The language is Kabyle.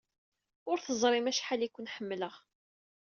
Ur teẓrim acḥal ay ken-ḥemmleɣ.